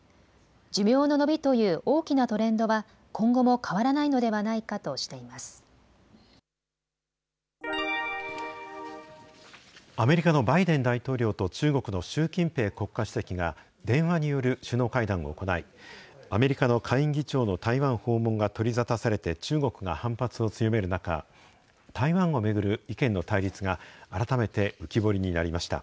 寿命の延びという大きなトレンドは、今後も変わらないのではないアメリカのバイデン大統領と中国の習近平国家主席が、電話による首脳会談を行い、アメリカの下院議長の台湾訪問が取り沙汰されて中国が反発を強める中、台湾を巡る意見の対立が改めて浮き彫りになりました。